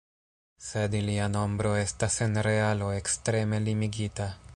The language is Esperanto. Sed ilia nombro estas en realo ekstreme limigita.